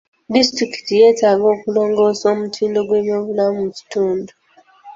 Disitulikiti yeetaaga okulongoosa omutindo gw'ebyobulamu mu kitundu.